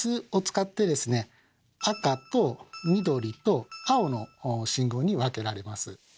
赤と緑と青の信号に分けられます。